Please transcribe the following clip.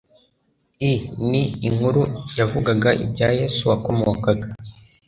i ni inkuru yavugaga ibya yesu wakomokaga